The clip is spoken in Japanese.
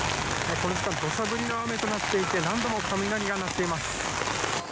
この時間、どしゃ降りの雨となっていて、何度も雷が鳴っています。